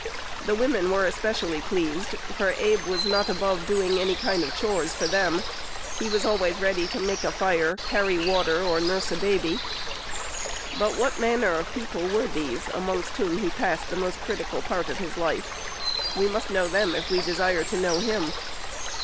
The women were especially pleased, for Abe was not above doing any kind of "chores" for them. He was always ready to make a fire, carry water, or nurse a baby. But what manner of people were these amongst whom he passed the most critical part of his life? We must know them if we desire to know him.